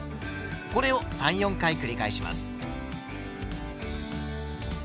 これを３４回繰り返します。